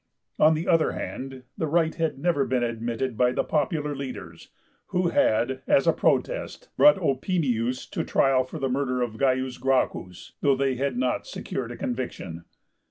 On the other hand, the right had never been admitted by the popular leaders, who had, as a protest, brought Opimius to trial for the murder of C. Gracchus, though they had not secured a conviction.